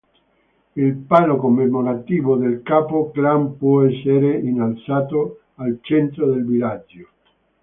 Il palo commemorativo del capo clan può essere innalzato al centro del villaggio.